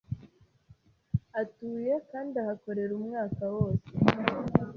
Atuye kandi ahakorera umwaka wose.